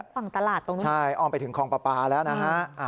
ฝั่งตลาดตรงนี้ใช่อ้อมไปถึงคลองปลาปลาแล้วนะฮะ